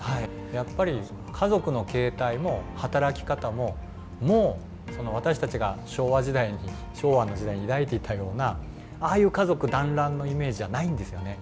やっぱり家族の形態も働き方ももう私たちが昭和の時代に抱いていたようなああいう家族団らんのイメージはないんですよね。